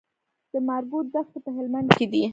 د مارګو دښتې په هلمند کې دي